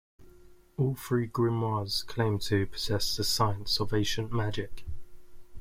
All three grimoires claim to possess the science of ancient magic.